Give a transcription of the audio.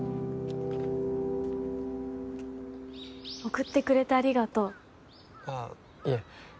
送ってくれてありがとうあいえ